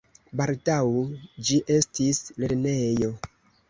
Baldaŭ ĝi estis lernejo.